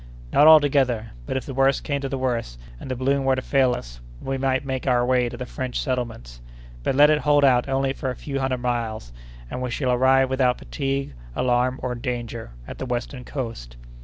"Not altogether; but, if the worst came to the worst, and the balloon were to fail us, we might make our way to the French settlements. But, let it hold out only for a few hundred miles, and we shall arrive without fatigue, alarm, or danger, at the western coast."